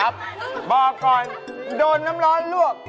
บอกก่อนโดนน้ำร้อนลวก